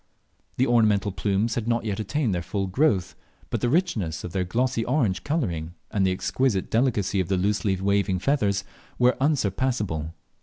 The ornamental plumes had not yet attained their full growth, but the richness of their glossy orange colouring, and the exquisite delicacy of the loosely waving feathers, were unsurpassable.